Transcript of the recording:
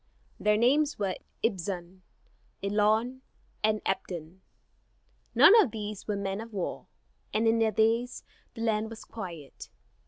Their names were Ibzan, Elon, and Abdon. None of these were men of war, and in their days the land was quiet.